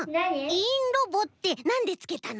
いいんロボってなんでつけたの？